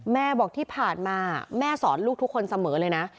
แม่บอกที่ผ่านมาแม่สอนลูกทุกคนเสมอเลยนะ